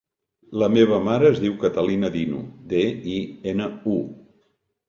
La meva mare es diu Catalina Dinu: de, i, ena, u.